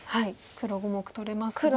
黒５目取れますが。